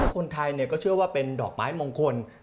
คนไทยก็เชื่อว่าเป็นดอกไม้มงคล